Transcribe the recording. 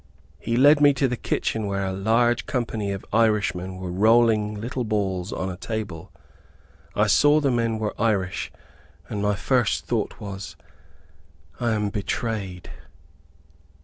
He led me to the kitchen, where a large company of Irish men were rolling little balls on a table. I saw the men were Irish and my first thought was, "I am betrayed."